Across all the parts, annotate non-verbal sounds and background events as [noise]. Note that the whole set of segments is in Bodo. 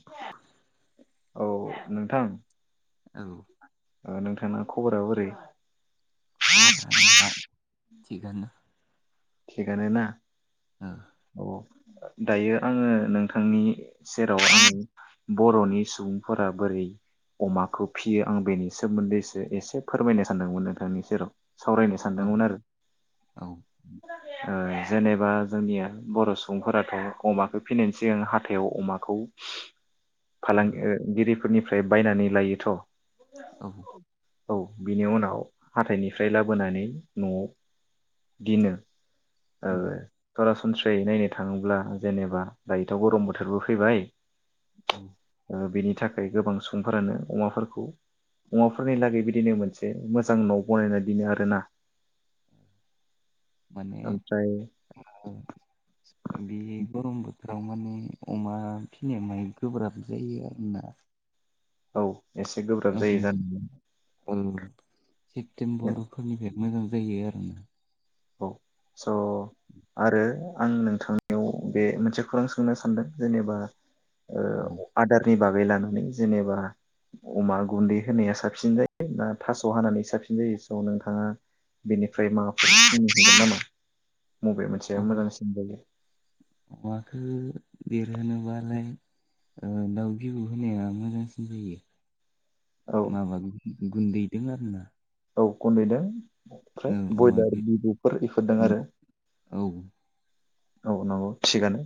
[inaudible] औ नोंथां औ नोंथांना खबरा बोरै हर सान मोना थिगानो थिगानो ना ओ औ दायो आङो नोंथांनि सेराव आं बर'नि सुबुंफोरा बोरै अमाखौ फियो आं बेनि सोमोन्दैसो एसे फोरमायनो सानदोंमोन नोंथांनि सेराव सावरायनो औ सानदोंमोन आरो औ ओ जेनेबा जोंनिया बर' सुबुंफोराथ' अमाखौ फिनायनि सिगां हाथायाव अमाखौ फालां ओ गिरिफोरनिफ्राय बायनानै लायोथ' औ औ बिनि उनाव हाथायनिफ्राय लाबोनानै न'आव दिनो ओ सरासनस्रायै नायनो थाङोब्ला जेनेबा दायोथ' गरम बोथोरबो फैबाय [inaudible] ओ बेनि थाखाय गोबां सुबुंफोरानो अमाफोरखौ अमाफोरनि लागै बिदिनो मोनसे मोजां न' बनायना दोनो आरोना माने ओमफ्राय ओ बे गरमबो रमानै माने अमा फिनाया माय गोब्राब जायो आरोना औ एसे गोब्राब जायो ओं जानाया ओं सेप्तेमबर फोरनिफ्राय मोजां जायो आरोना औ स' आरो आं नोंथांनियाव बे मोनसे खौरां सोंनो सानदों जेनेबा ओ औ आदारनि बाग बे लानानै जेनेबा अमा गुन्दै होनाया साबसिन जायो ना थास' हानानै साबसिन जायो स' नोंथाङा बेनिफ्राय माबाफोर बुंनो थोगोन नामा मबे मोनसे औ मोजांसिन जायो अमाखौ देरहोनोबालाय ओ दाउ बिबु होनाया मोजांसिन जायो औ माबा गुन्दै बिदों आरोना औ गन्दैदों ओमफ्राय औ अमा ब्रयलार बि- बिबुफोर बेफोरदों आरो औ औ नंगौ थिगानो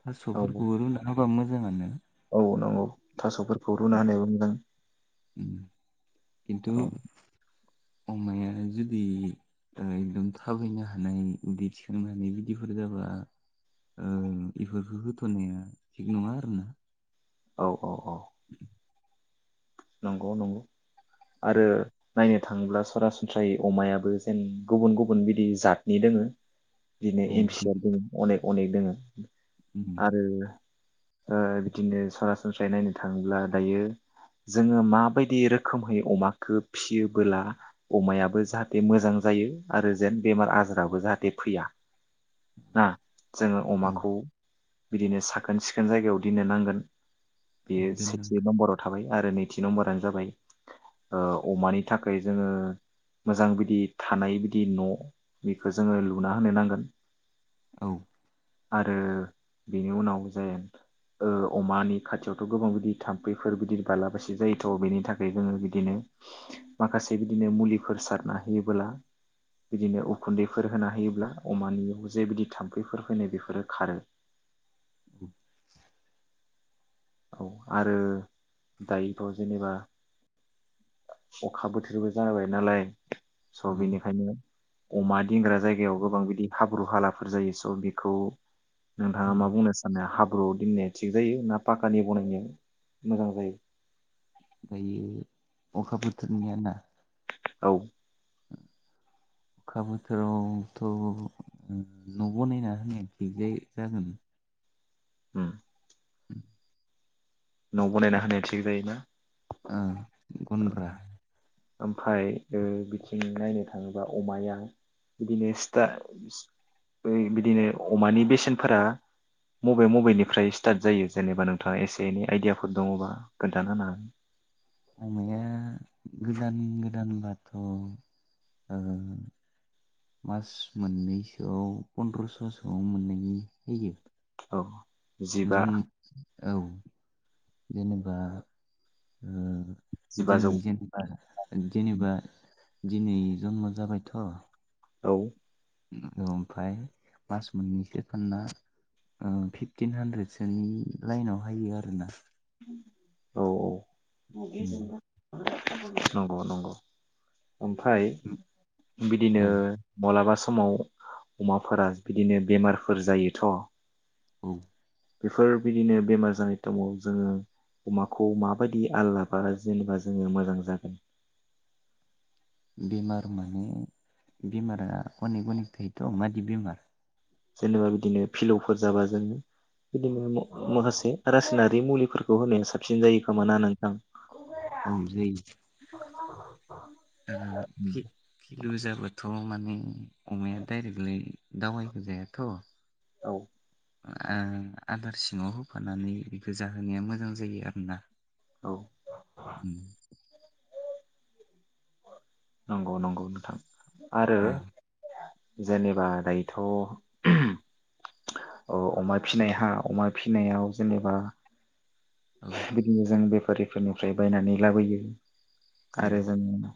थास' औ रुनानै होबा मोजां रोङा नों ओ नंगौ थास'फोरखौ रुना होनायाबो मोजां उम, खिन्थु औ अमाया जुदि ओ एगदम थाबायनो हानाय उ दै थिखांनानै इदिफोर जाबा ओ बिदिखौ होथ'नाया थिग नङा आरोना औ औ औ [inaudible] नंगौ नंगौ आरो नायनो थाङोब्ला सरासनस्रायै अमायाबो जेन गुबुन गुबुन बिदि जादनि दोङो बिदिनो औ एम दोन सिआ दङो अनेक अनेक दोङो उम आरो बिदिनो सरासनस्रायै नायनो थाङोब्ला दायो जोङो माबायदि रोखोमै अमाखौ फिसियोबोला अमायाबो जाहाथे मोजां जायो आरो जेन बेमार आजाराबो जाहाथे फैया ना जोङो औ अमाखौ बिदिनो साखोन सिखोन जायगायाव दोननो नांगोन बेयो सेथि दोननांगोन नम्बराव थाबाय आरो नैथि नम्बरानो जाबाय अमानि थाखाय जोङो मोजां बिदि थानाय बिदि न' बेखौ जोङो लुना होनो नांगोन औ आरो बेनि उनाव जाय अमानि खाथियावथ' गोबां बिदि थाम्फैफोर बिर बालाबसे जायोथ' बेनि थाखाय जोङो बिदिनो माखासे बिदिनो मुलिफोर सारना होयोबोला बिदिनो उखुन्दैफोर होना होयोब्ला अमानियाव जे बिदि थाम्फैफोर फैनाय बेफोरो खारो औ औ आरो दायोथ' जेनेबा अखा बोथोरबो जाबाय नालाय स' औ बेनिखायनो अमा दोनग्रा जायगायाव गोबां बिदि हाब्रु हालाफोर जायो स' बेखौ नोंथाङा औ मा बुंनो साननाय हाब ब्रुआव दोननाया थिग जायो ना पाक्कानि बनायनाया मोजां जायो दायो अखा बोथोरनिया ना औ अखा बोथोरावथ' न' बनायना होनाया थिग जायो जागोन उम [inaudible] न' बानायना होनाया थिग जायोना ओ गन्द्रा ओमफ्राय बिथिं नायनो थाङोबा अमाया बिदिनोबा बिदिनो अमानि बेसेनफोरा मबे मबेनिफ्राय स्टार्ट जायो जेनेबा नोंथाङा एसे एनै आइडियाफोर दङबा खोन्थानो होनांगोन अमाया गोदान गोदानबाथ' ओ मास मोननैसोआव पन्द्रस'सोआव मोननायनि होयो हागोन औ जिबा ज औ जेनेबा जिबाजौ जनि जेनेबा जेनेबा दिनै जनम' जाबायथ' औ ओमफ्राय मास मोननैसो फानना फिफटिन हानद्रेदसोनि लाइनाव हायो आरोना औ औ उम नंगौ नंगौ ओमफ्राय बिदिनो औ मलाबा समाव समाव अमाफोरा बिदिनो बेमारफोर जायोथ' औ बेफोरबायदिनो बेमार जानाय समाव जोङो अमाखौ माबायदि आल लाबा जेनेबा जोङो मोजां जागोन बेमार माने बेमारा अनेक अनेक थायोथ' मादि बेमार जेनेबा बिदिनो फिलौफोर जाबा जोङो बिदिनो माखासे रासायनारि मुलिफोरखौ होनाया साबसिन जायो खोमाना नोंथां औ जायो आरो फिलु जाबा बोथ' माने अमाया दडायरेक्टलै दावायबोजायाथ' औ आदार सिङाव होफानानै बे गोजाहोनाया मोजां जायो आरोना औ उम नंगौ नंगौ नोंथां आरो जेनेबा दायोथ' अमा फिनाय हा अमा फिसिनायाव जेनेबा औ बिदिनो जों बे बेफारिफोरनिफ्राय बायनानै लाबोयो औ आरो जोङो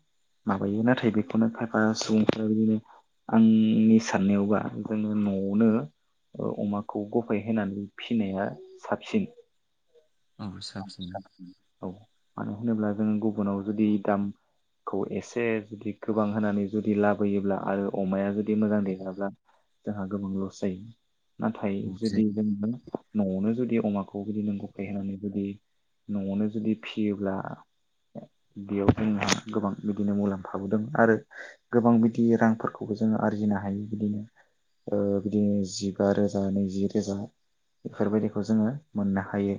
माबायो नाथाय बेखौनो खायफा सुबुंफोरा बिदिनो आंनि साननायावबा जोङो न'आवनो अमाखौ गफाय होनानै फिसिनाया साबसिन औ साबसिन आसा औ मानो होनोब्ला जों गुबुनाव जुदि दामखौ एसे से जुदि गोबां होनानै जुदि लाबोयोब्ला आरो अमाया जुदि मोजां देराब्ला जोंहा गोबां लस जायो नाथाय औ जे जुदि जोङो न'आवनो जुदि अमाखौ जुदि नों गफायहोनानै जुदि न'आवनो जुदि फियोब्ला बेयाव जोंहा गोबां बिदिनो मुलाम्फाबो दङ आरो गोबां बिदि रांफोरखौबो जोङो आरजिनो हायो बिदिनो बिदिनो जिबा रोजा नैजि रोजा बेफोरबायदिखौ जोङो मोननो हायो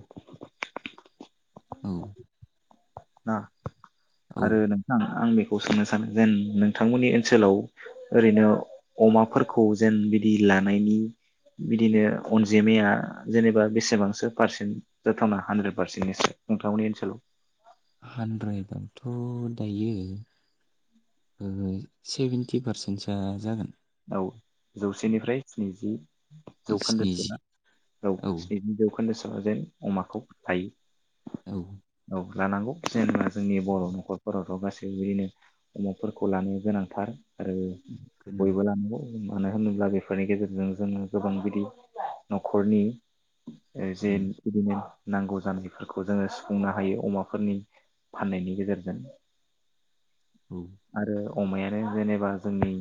औ [inaudible] औ आरो नोंथां आं बे सोंनो सानो जेन नोंथांमोननि ओनसोलाव ओरैनो अमाफोरखौ जेन बिदि लानायनि बिदिनो अनजिमाया जेनेबा बेसेबांसो पारसेन्ट जाथावना हानद्रेद पारसेन्टनिसो नोंथांमोननि ओनसोलाव। हानद्रेदआवथ' दायो ओ सेभेन्टि पारसेन्टसोआ जागोन। औ जौसेनिफ्राय स्निजि स्निजि जौखोन्दोसोना औ स्निजि जौखोन्दो सो जेन अमाखौ थायो। औ लानांगौ जेनेबा जोंनि बर' नखरफोरावथ गासैबो बिदिनो अमाफोरखौ लानो गोनांथार। आरो गोनां बयबो लानांगौ। मानो होनोब्ला बेफोरनि गेजेरजों जोङो गोबां बिदि नखरनि जे बिदिनो नांगौ जानायफोरखौ जोङो सुफुंनो हायो अमाफोरनि फाननायनि गेजेरजों। औ आरो अमायानो जेनेबा जोंनि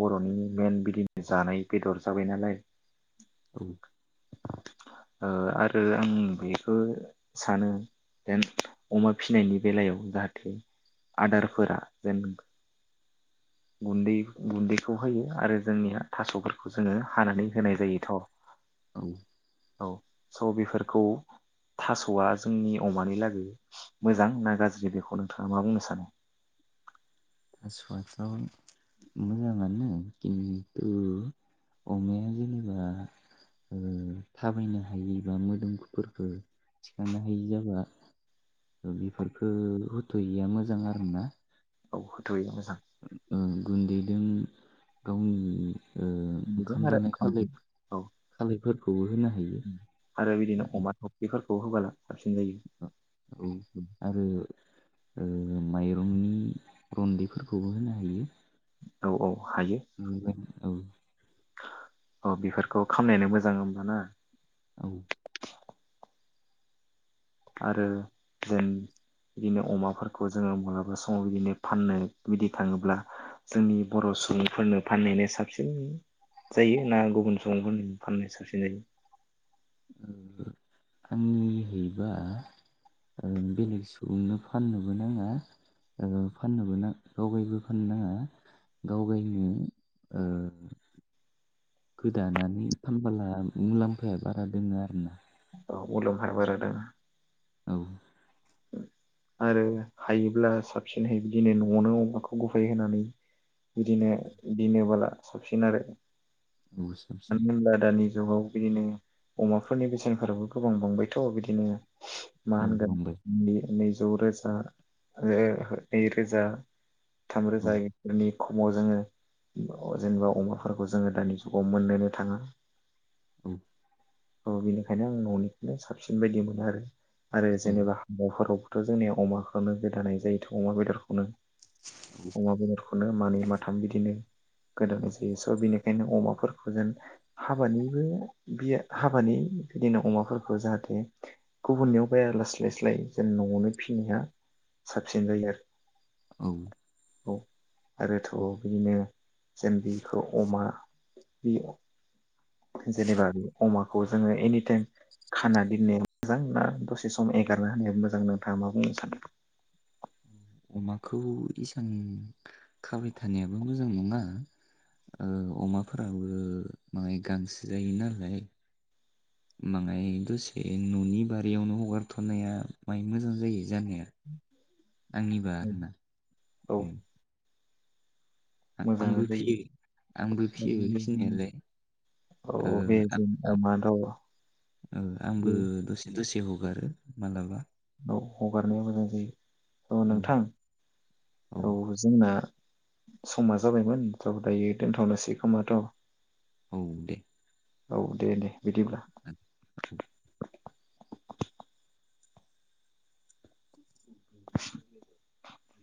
बर'नि मेन बिदिनो जानाय बेदर जाबाय नालाय। औ। ओ आरो आं बेखौ सानो जेन अमा फिनायनि बेलायाव जाहाथे आदारफोरा जेन गुन्दै गुन्दैखौ हायो आरो जोंनिया थास'फोरखौ जोङो हानानै होनाय जायोथ'। औ। औ स' बेफोरखौ थासआ जोंनि अमानि लागै मोजां ना गाज्रि बेखौ नोंथाङा मा बुंनो सानो? थासुवाथाव मोजाङानो खिन्थु अमाया जेनेबा ओ थाबायनो हायि बा मोदोमफोरखो थिखांनो हायि जाबा बेफोरफोरखो होथ'यैया मोजां आरो ना। औ होथ'यैया मोजां ओम उम गुन्दैजों गावनि ओ बेजों ओंखाम आरो जानाय ओंखामजों खालाय औ खालायफोरखौबो होनो हायो। खौ होबा औ आरो ओ माइरंनि रन्दैफोरखौबो होनो हायो। औ औ। हायो औ। औ बेफोरखौ खामनायनो मोजां होमबा ना। औ। आरो जेन बिदिनो अमाफोरखौ जोङो मालाबा समाव बिदिनो फाननो बिदि थाङोब्ला जोंनि बर' सुबुंफोरनो फाननायानो साबसिन जायो ना गुबुन सुबुंफोरनो फाननाया साबसिन जायो। आंनिबिदिहैबा ओ बेलेग सुबुंनो फाननोबो नाङा फाननोबो नाङा गावगायबो फाननो नाङा गावगायनो ओ। गोदानानै फानबोला मुलाम्फाया बारा दोङो। औ मुलाम्फाया बारा‌ दङ। औ आरो हायोब्ला साबसिनहै बिदिनो न'आवनो अमाखौ गफायै होनानै बिदिनो दोनोबोला साबसिन आरो अ साबसिन मानो होनब्ला दानि जुगाव बिदिनो अमाफोरनि बेसेनफोराबो गोबां बांबायथ बिदिनो मा औ होनगोन बुंबाय बे नैजि द रोजा आरो नै रोजा थाम औ रोजा इफोरनि खमाव जोङो जेनेबा अमाफोरखौ जोङो दानि जुगाव मोननोनो थाङा औ औ बेनिखायनो आं न'निखौनो साबसिन बायदि मोनो आरो आरो जेनेबा हाबाफोराव थ' जोंनिया अमाखौनो गोदानाय जायोथ' अमा बेदरखौनो औ खौनो मानै माथाम बिदिनो गोदानाय जायो स' बिनिखायनो अमाफोरखौ जेन हाबानिबो बिया हाबानि बिदिनो अमाफोरखौ जाहाथे गुबुननियाव बाया लास्लायस्लाय जेन न'आवनो फिसिनाया साबसिन जायो आरो औ औ आरो थ' बिदिनो जों बेखौ अमा बि जेनेबा बि अमाखौ जोङो एनिटाइम खाना दोननाया मोजां ना दसे सम एगारना होनाया मोजां नोंथाङा मा बुंनो सानो अमाखौ इसां खाबाय थानायाबो मोजां नङा ओ अमाफोराबो माहाय गांसो जायो नालाय माङाय दसे न'नि बारियावनो हगारथ'नाया माय मोजां जायो जानाया आंनिबा आरोना औ आ मोजाङानो आंबो जायो फियो आंबो फिसियो फिनायालाय औ ओ बे आ जों अमा दाउ आ बे आंबो दसे दसे हग गारो मालाबा औ हगारनाया मोजां जायो औ नोंथां औ जोंना समा जाबायमोन थ दायो दोनथ'नोसै खोमाथ' औ दे औ दे दे बिदिब्ला [inaudible] [inaudible]